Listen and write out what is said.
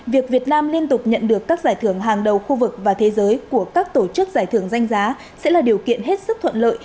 việc việt nam liên tục nhận được các giải thưởng hàng đầu khu vực và thế giới của các tổ chức giải thưởng danh giá sẽ là điều kiện hết sức thuận lợi